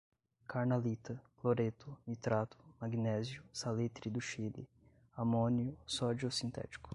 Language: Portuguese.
carnalita, cloreto, nitrato, magnésio, salitre do Chile, amônio, sódio sintético